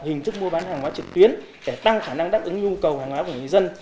hình thức mua bán hàng hóa trực tuyến để tăng khả năng đáp ứng nhu cầu hàng hóa của người dân